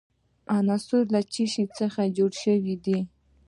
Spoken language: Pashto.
عنصر له څه شي څخه جوړ شوی دی.